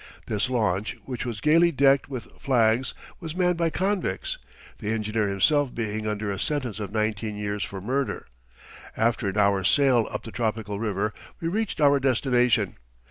This launch, which was gaily decked with flags, was manned by convicts, the engineer himself being under a sentence of nineteen years for murder. After an hour's sail up the tropical river, we reached our destination.